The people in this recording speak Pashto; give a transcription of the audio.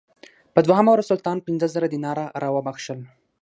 په دوهمه ورځ سلطان پنځه زره دیناره راوبخښل.